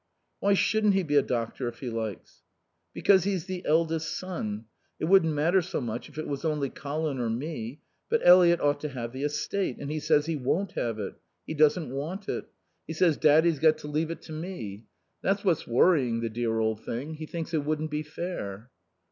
"Why shouldn't he be a doctor if he likes?" "Because he's the eldest son. It wouldn't matter so much if it was only Colin or me. But Eliot ought to have the estate. And he says he won't have it. He doesn't want it. He says Daddy's got to leave it to me. That's what's worrying the dear old thing. He thinks it wouldn't be fair."